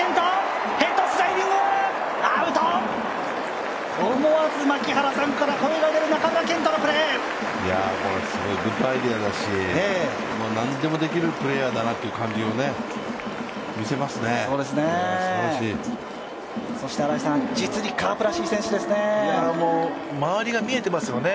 グッドアイデアだし、何でもできるプレーヤーだなという感じを見せますね。